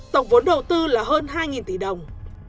tổng vốn đầu tư là hơn hai tỷ đồng